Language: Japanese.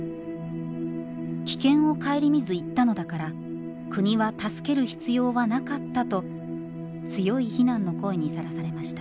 危険を顧みず行ったのだから国は助ける必要はなかったと強い非難の声にさらされました。